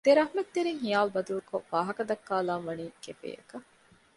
ދެރަހްމަތްތެރިން ހިޔާލު ބަދަލުކޮށް ވާހަކަދައްކާލަން ވަނީ ކެފޭއަކަށް